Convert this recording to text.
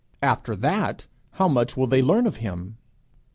After that how much will they learn of him?